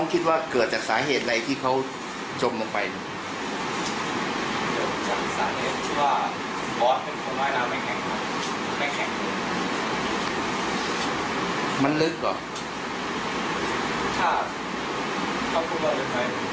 ถ้าเขาพูดมาลึกไหม